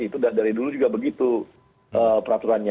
itu dari dulu juga begitu peraturannya